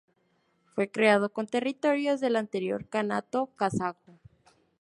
Fue creado con territorios del anterior Kanato Kazajo.